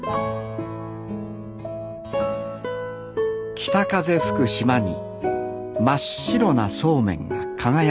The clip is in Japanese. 北風吹く島に真っ白なそうめんが輝きます